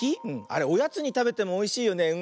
あれおやつにたべてもおいしいよね。